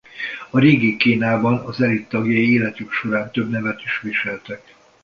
A régi Kínában az elit tagjai életük során több nevet is viseltek.